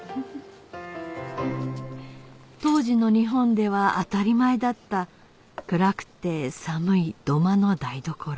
当時の日本では当たり前だった暗くて寒い土間の台所